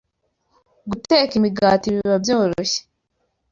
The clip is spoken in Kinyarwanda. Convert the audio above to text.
guteka imigati biba byoroshye